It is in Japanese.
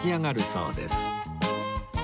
そうです。